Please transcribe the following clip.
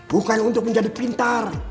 bukan untuk menjadi pintar